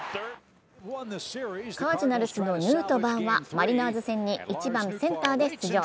カージナルスのヌートバーはマリナーズ戦に１番・センターで出場。